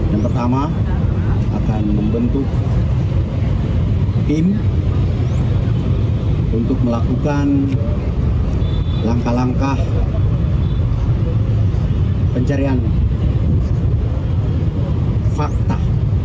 yang pertama akan membentuk tim untuk melakukan langkah langkah pencarian fakta